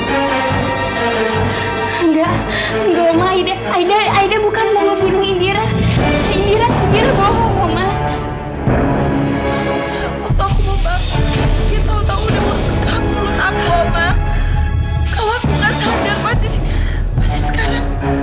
enggak enggak maide aida aida bukan mau bunuh indira indira indira bohong oma